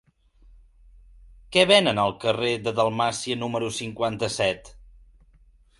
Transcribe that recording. Què venen al carrer de Dalmàcia número cinquanta-set?